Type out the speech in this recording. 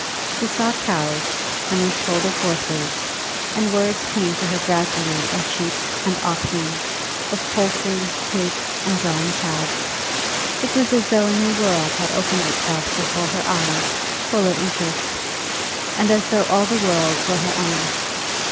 She saw cows, and was told of horses; and words came to her gradually of sheep and oxen, of poultry, pigs, and growing calves. It was as though a new world had opened itself before her eyes, full of interest, and as though all that world were her own.